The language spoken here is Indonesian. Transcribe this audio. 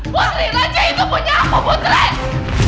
putri raja itu punya aku putri